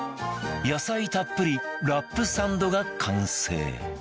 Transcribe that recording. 野菜たっぷりラップサンドが完成